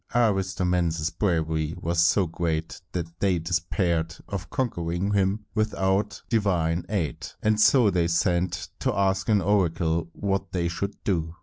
Aristomenes' bravery was so great that they despaired of conquering him without divine aid, and so they sent to ask an oracle what they should do.